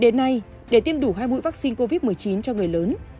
đến nay để tiêm đủ hai mũi vaccine covid một mươi chín cho người lớn